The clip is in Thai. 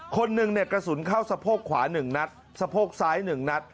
คนหนึ่งเนี่ยกระสุนเข้าสะโพกขวา๑นัดสะโพกซ้าย๑นัด